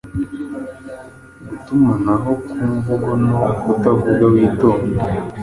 gutumanaho kumvugo no kutavuga, witonde